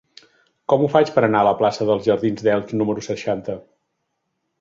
Com ho faig per anar a la plaça dels Jardins d'Elx número seixanta?